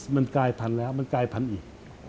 มันกลายพันธุ์แล้วมันกลายพันธุ์อีก